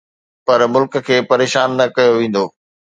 پر ملڪ کي پريشان نه ڪيو ويندو.